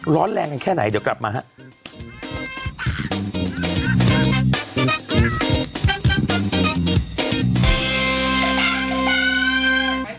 ร้อนแรงกันแค่ไหนเดี๋ยวกลับมาครับ